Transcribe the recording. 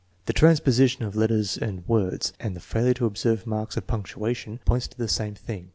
The transposition of letters and words, and the failure to observe marks of punctuation, point to the same .thing.